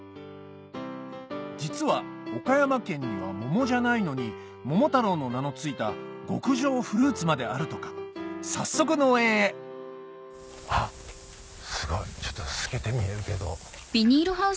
実は岡山県には桃じゃないのに桃太郎の名の付いた極上フルーツまであるとか早速農園へあっすごい透けて見えるけど。